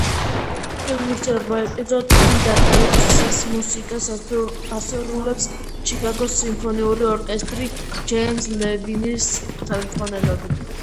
ფილმის რვა ეპიზოდიდან ექვსის მუსიკას ასრულებს ჩიკაგოს სიმფონიური ორკესტრი, ჯეიმზ ლევინის ხელმძღვანელობით.